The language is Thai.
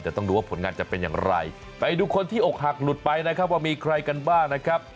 แต่ต้องดูว่าผลงานจะเป็นอย่างไรไปดูคนที่อกหักหลุดไปนะครับว่ามีใครกันบ้างนะครับ